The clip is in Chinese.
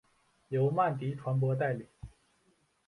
由曼迪传播代理。